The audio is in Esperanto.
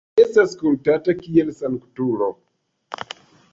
Li estas kultata kiel sanktulo.